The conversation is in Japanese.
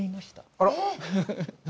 あら。